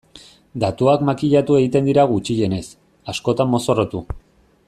Datuak makillatu egiten dira gutxienez, askotan mozorrotu.